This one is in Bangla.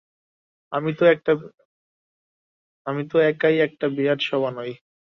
আমি তো একাই একটা বিরাট সভা নই।